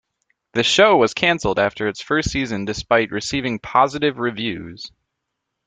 The show was cancelled after its first season despite receiving positive reviews.